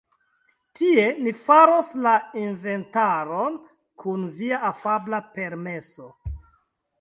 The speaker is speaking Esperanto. Tie, ni faros la inventaron, kun via afabla permeso.